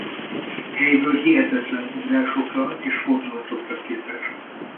Helyből hihetetlen ugrásokra és fordulatokra képes.